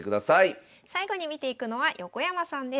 最後に見ていくのは横山さんです。